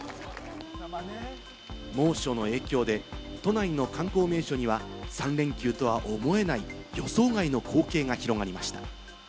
猛暑の影響で、都内の観光名所には３連休とは思えない、予想外の光景が広がりました。